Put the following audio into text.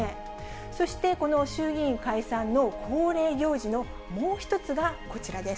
そしてこの衆議院解散の恒例行事のもう一つがこちらです。